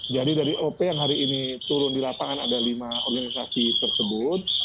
jadi dari oprhb yang hari ini turun di lapangan ada lima organisasi tersebut